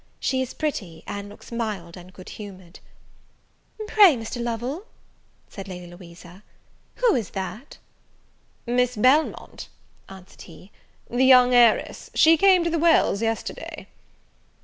She is pretty, and looks mild and good humoured. "Pray, Mr. Lovel," said Lady Louisa, "who is that?" "Miss Belmont," answered he, "the young heiress: she came to the Wells yesterday."